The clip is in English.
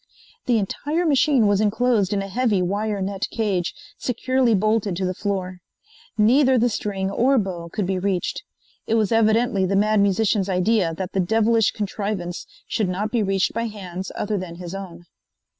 The entire machine was enclosed in a heavy wire net cage, securely bolted to the floor. Neither the string or bow could be reached. It was evidently the Mad Musician's idea that the devilish contrivance should not be reached by hands other than his own.